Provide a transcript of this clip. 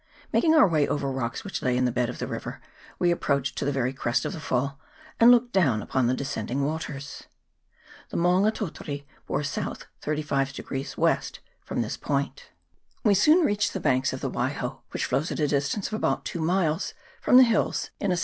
Mak ing our way over rocks which lay in the bed of the river, we approached to the very crest of the fall, and looked down upon the descending waters. The Maunga Tautare bore S. 35 W. from this point. We soon reached the banks of the Waiho, which flows at a distance of about two miles from the hills in a S.E.